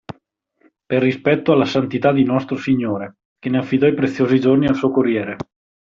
Per rispetto alla Santità di Nostro Signore, che ne affidò i preziosi giorni al suo Corriere.